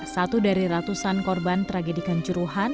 satu dari ratusan korban tragedikan juruhan